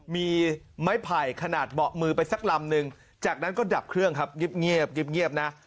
มีไม้ไผ่ขนาดเบาะมือไปสักลำนึงจากนั้นก็ดับเครื่องครับเงียบนะ